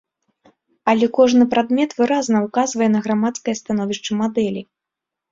Але кожны прадмет выразна ўказвае на грамадскае становішча мадэлі.